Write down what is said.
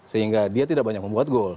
sehingga dia tidak banyak membuat gol